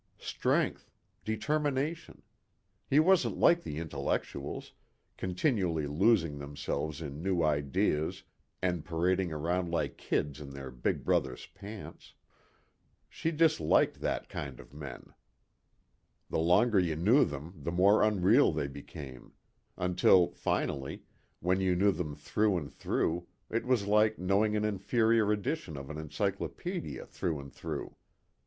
Strength, determination. He wasn't like the intellectuals, continually losing themselves in new ideas and parading around like kids in their big brothers' pants. She disliked that kind of men. The longer you knew them the more unreal they became. Until finally, when you knew them through and through it was like knowing an inferior edition of an encyclopedia through and through.